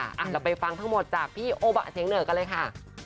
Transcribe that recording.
เราไปฟังทั้งหมดจากพี่โอบะเสียงเหนือกันเลยค่ะ